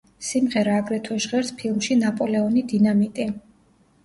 სიმღერა აგრეთვე ჟღერს ფილმში „ნაპოლეონი დინამიტი“.